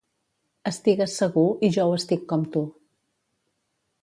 Estigues segur i jo ho estic com tu.